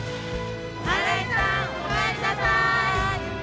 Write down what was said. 新井さんおかえりなさい。